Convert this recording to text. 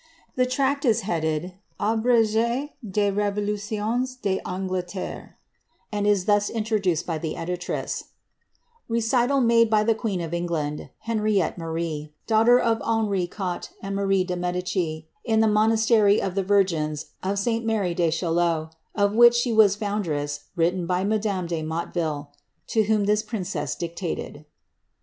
l^his tract is headed Abrege des Revolutions d^Jingleterrey and is thus introdiiced by the editress :^^ Recital made by the queen of England, Henriette Marie, daughter of Henri Quatre and Marie de Mcdicis in the monastery of the Virgins of St. Mary de Chaillot, of which she was foundress, written by madame de Motteville,' to whom this princess dictated."